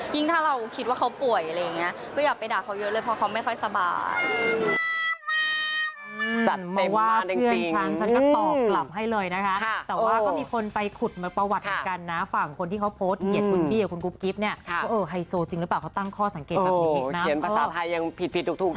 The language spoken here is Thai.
ยิ่งถ้าเราคิดว่าเขาป่วยอย่าไปด่าเขาเยอะเลยเพราะเขาไม่ค่อยสะบาด